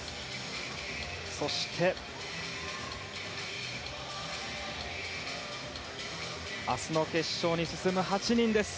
そして明日の決勝に進む８人です。